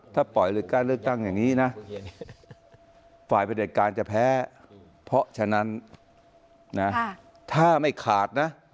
ถ้าปล่อยหรือการเลือกตั้งอย่างนี้นะฝ่ายประเด็จการจะแพ้เพราะฉะนั้นถ้าไม่ขาดนะ